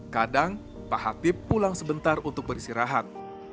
kadang pak hatip pulang sebentar untuk beristirahat